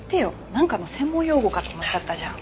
何かの専門用語かと思っちゃったじゃん。